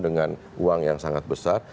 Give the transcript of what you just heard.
dengan uang yang sangat besar